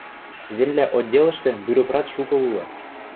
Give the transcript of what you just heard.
Земля отделӹштӹ бюрократ шукы улы.